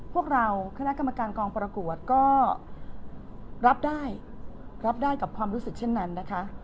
พวกเราคณะกรรมการกองประกวดก็รับได้รับได้กับความรู้สึกเช่นนั้นนะคะ